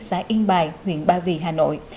xã yên bài huyện ba vì hà nội